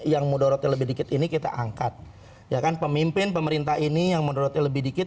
yang mudaratnya lebih dikit ini kita angkat ya kan pemimpin pemerintah ini yang menurutnya lebih dikit